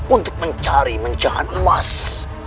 untuk mencari menjangan emas